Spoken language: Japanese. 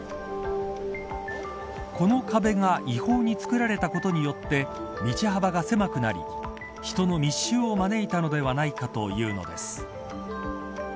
この壁が違法に造られたことによって道幅が狭くなり人の密集を招いたのではないかというのです。